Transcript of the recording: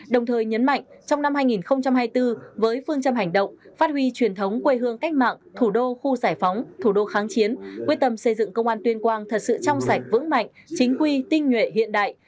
đồng thời nhấn mạnh trong năm hai nghìn hai mươi bốn với phương châm hành động phát huy truyền thống quê hương cách mạng thủ đô khu giải phóng thủ đô kháng chiến quyết tâm xây dựng công an tuyên quang thật sự trong sạch vững mạnh chính quy tinh nhuệ hiện đại